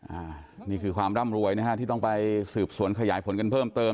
อันนี้คือความร่ำรวยนะฮะที่ต้องไปสืบสวนขยายผลกันเพิ่มเติม